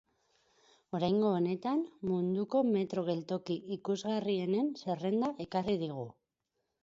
Oraingo honetan, munduko metro geltoki ikusgarrienen zerrenda ekarri digu.